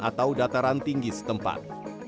atau dataran tinggi setempat